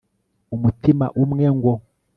umutima umwe, ngo